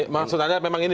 maksudnya memang ini